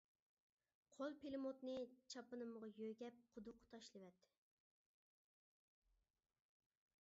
قول پىلىموتنى چاپىنىمغا يۆگەپ قۇدۇققا تاشلىۋەت!